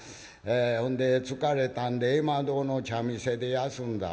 「ほんで疲れたんで絵馬堂の茶店で休んだ」。